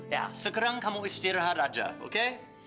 ya sekarang kamu istirahat aja oke